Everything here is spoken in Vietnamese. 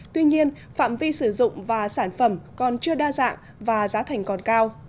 tuy nhiên phạm vi sử dụng và sản phẩm còn chưa đa dạng và giá thành còn cao